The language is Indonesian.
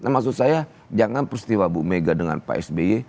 maksud saya jangan peristiwa bu mega dengan pak sby